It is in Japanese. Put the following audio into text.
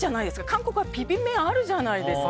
韓国はビビン麺あるじゃないですか。